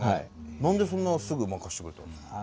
何でそんなすぐ任してくれたんですか？